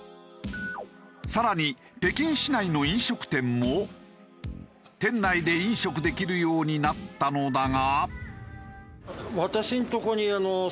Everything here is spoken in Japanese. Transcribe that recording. さらに北京市内の飲食店も店内で飲食できるようになったのだが。